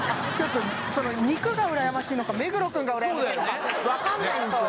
肉がうらやましいのか目黒くんがうらやましいのか分かんないんですよ